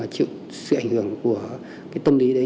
chịu sự ảnh hưởng của cái tâm lý đấy